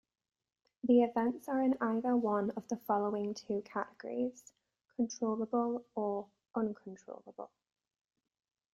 The events are in either one of the following two categories controllable or uncontrollable.